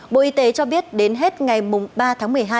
bộ y tế cho biết đến hết ngày ba tháng một mươi hai